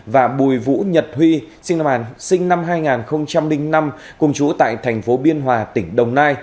và bùi vũ nhật huy sinh năm hai nghìn năm cùng chú tại thành phố biên hòa tỉnh đồng nai